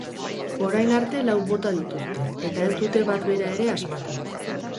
Orain arte lau bota dituzte, eta ez dute bat bera ere asmatu.